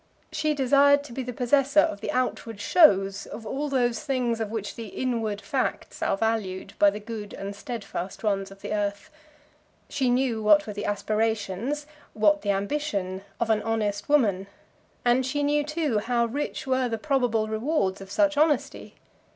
She desired to be the possessor of the outward shows of all those things of which the inward facts are valued by the good and steadfast ones of the earth. She knew what were the aspirations, what the ambition, of an honest woman; and she knew, too, how rich were the probable rewards of such honesty.